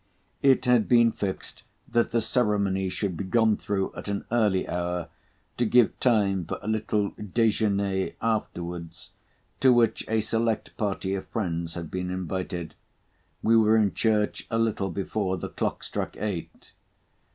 It had been fixed that the ceremony should be gone through at an early hour, to give time for a little déjeuné afterwards, to which a select party of friends had been invited. We were in church a little before the clock struck eight.